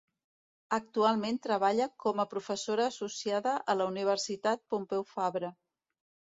Actualment treballa com a professora associada a la Universitat Pompeu Fabra.